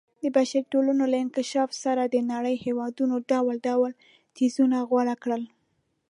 د بشري ټولنو له انکشاف سره د نړۍ هېوادونو ډول ډول څیزونه غوره کړل.